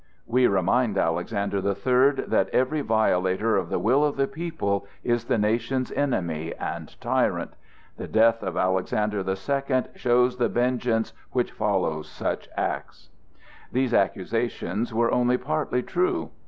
We remind Alexander the Third that every violator of the will of the people is the nation's enemy and tyrant. The death of Alexander the Second shows the vengeance which follows such acts." These accusations were only partly true.